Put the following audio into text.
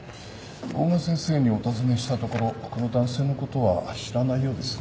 大賀先生にお尋ねしたところこの男性のことは知らないようです。